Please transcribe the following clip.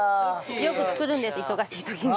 よく作るんです忙しい時に。